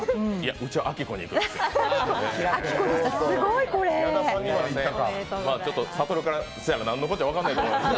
うちは亜希子にいくんですよ。